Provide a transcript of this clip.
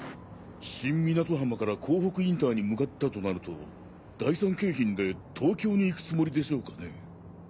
新港浜から港北インターに向かったとなると第三京浜で東京に行くつもりでしょうかね？